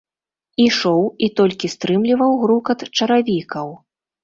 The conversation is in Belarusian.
Ішоў і толькі стрымліваў грукат чаравікаў.